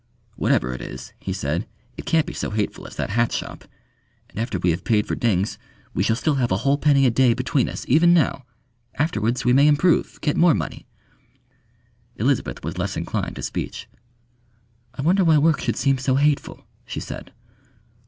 "Whatever it is," he said, "it can't be so hateful as that hat shop. And after we have paid for Dings, we shall still have a whole penny a day between us even now. Afterwards we may improve, get more money." Elizabeth was less inclined to speech. "I wonder why work should seem so hateful," she said.